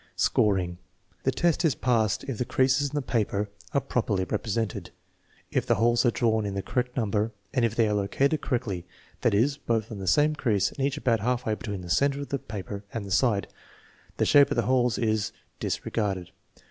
Scoring. The test is passed if the creases in the paper are properly represented, if the holes are drawn in the correct number, and if they are located correctly, that is, both on the same crease and each about halfway between the center of the paper and the side. The shape of the holes is disregarded.